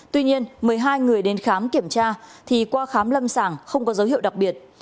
tuy nhiên một mươi hai người đến khám kiểm tra thì qua khám lâm sàng không có dấu hiệu đặc biệt